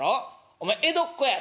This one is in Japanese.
お前江戸っ子やろ？